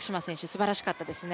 すばらしかったですね